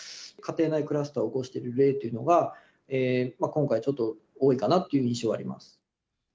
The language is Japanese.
家庭内クラスター起こしてる例というのが、今回ちょっと多いかなという印象はあります。